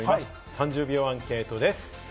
３０秒アンケートです。